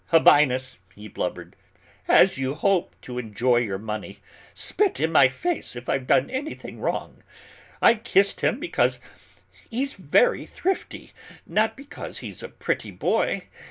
"Habinnas," he blubbered, "as you hope to enjoy your money, spit in my face if I've done anything wrong. I kissed him because he's very thrifty, not because he's a pretty boy.